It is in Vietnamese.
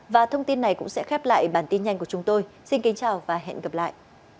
và thông tin này cũng sẽ khép lại bản tin nhanh của chúng tôi xin kính chào và hẹn gặp lại